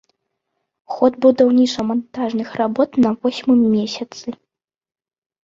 Ход будаўніча-мантажных работ на восьмым месяцы.